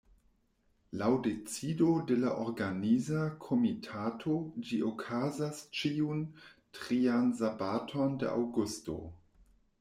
Laŭ decido de la Organiza Komitato ĝi okazas ĉiun trian sabaton de aŭgusto.